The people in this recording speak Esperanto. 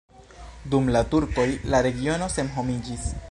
Dum la turkoj la regiono senhomiĝis.